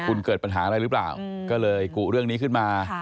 คุณเกิดปัญหาอะไรหรือเปล่าก็เลยกุเรื่องนี้ขึ้นมา